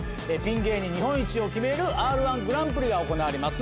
芸人日本一を決めるＲ−１グランプリが行われます。